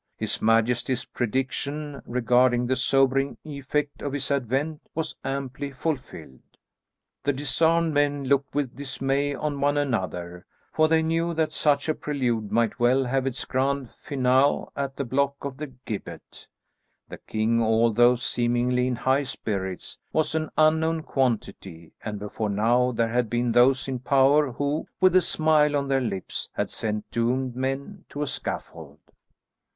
His majesty's prediction regarding the sobering effect of his advent was amply fulfilled. The disarmed men looked with dismay on one another, for they knew that such a prelude might well have its grand finale at the block or the gibbet. The king, although seemingly in high spirits, was an unknown quantity, and before now there had been those in power who, with a smile on their lips, had sent doomed men to a scaffold.